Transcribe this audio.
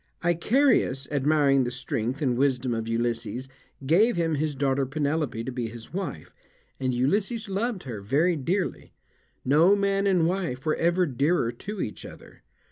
Icarius, admiring the strength and wisdom of Ulysses, gave him his daughter Penelope to be his wife, and Ulysses loved her very dearly, no man and wife were ever dearer to each other.